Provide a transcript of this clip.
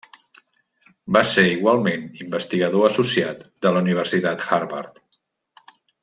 Va ser igualment investigador associat de la Universitat Harvard.